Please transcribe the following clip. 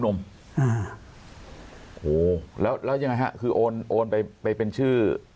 โอ้โหและยังไงครับคือโอนไปเป็นชื่อ